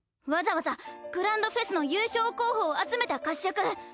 わざわざグランドフェスの優勝候補を集めた合宿。